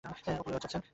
Apu US যাচ্ছেন।